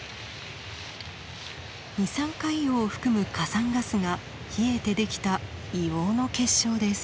二酸化硫黄を含む火山ガスが冷えてできた硫黄の結晶です。